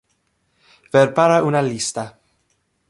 Ver para una lista.